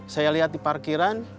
saya lihat di parkiran